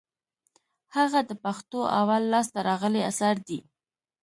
هغه د پښتو اول لاس ته راغلى اثر دئ.